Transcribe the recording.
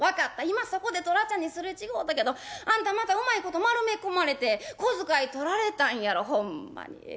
今そこでとらちゃんに擦れ違うたけどあんたまたうまいこと丸め込まれて小遣い取られたんやろほんまに。